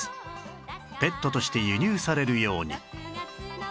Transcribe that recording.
ペットとして輸入されるように